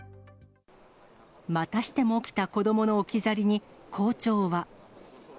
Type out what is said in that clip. またしても起きた子どもの置き去りに、校長は。